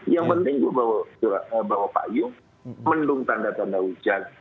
yang penting bawa payung mendung tanda tanda hujan